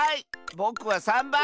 ぼくは３ばん！